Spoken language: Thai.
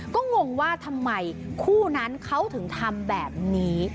ก็งงว่าทำไมคู่นั้นเขาถึงทำแบบนี้